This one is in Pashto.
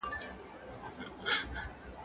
زه هره ورځ درسونه لوستل کوم؟